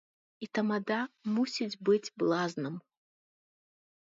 І тамада мусіць быць блазнам.